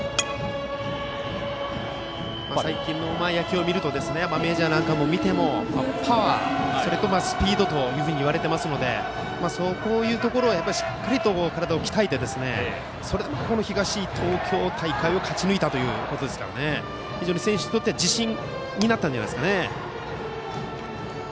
最近の野球を見るとメジャーなんかを見ても、パワーそれとスピードといわれていますのでそういうところはしっかり体を鍛えてそれで東東京大会を勝ち抜いたということですから非常に選手にとって自信になったんじゃないでしょうか。